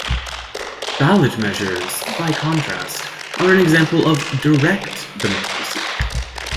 Ballot measures, by contrast, are an example of direct democracy.